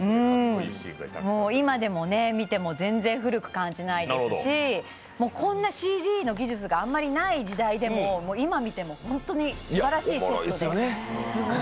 今でも見ても全然古く感じないですし、こんなＣＧの技術があんまりない時代でも本当にすばらしいセットで。